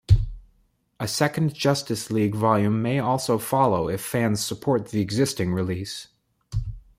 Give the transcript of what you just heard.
A second Justice League volume may also follow if fans support the existing release.